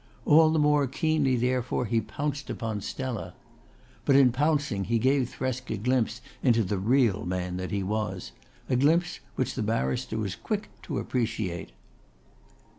All the more keenly therefore he pounced upon Stella. But in pouncing he gave Thresk a glimpse into the real man that he was, a glimpse which the barrister was quick to appreciate.